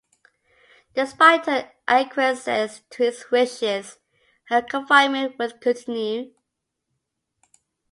Despite her acquiescence to his wishes her confinement would continue.